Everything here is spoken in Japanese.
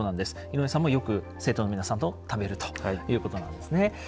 井上さんもよく生徒の皆さんと食べるということなんですね。